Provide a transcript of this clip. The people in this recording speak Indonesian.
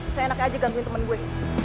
seenak aja gantuin temen gue